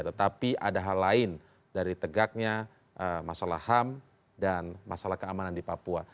tetapi ada hal lain dari tegaknya masalah ham dan masalah keamanan di papua